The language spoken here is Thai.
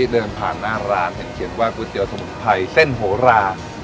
เดินผ่านหน้าร้านเห็นเขียนว่าก๋วยเตียสมุนไพรเส้นโหรา